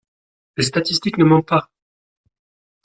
Les statistiques ne mentent pas!